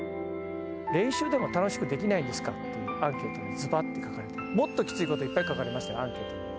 練習でも楽しくできないですかというアンケートで、ずばっと書かれて、もっときついこともいっぱい書かれましたよ、アンケートに。